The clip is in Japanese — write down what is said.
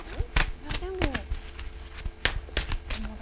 いやでも友達。